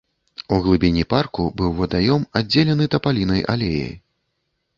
У глыбіні парку быў вадаём, аддзелены тапалінай алеяй.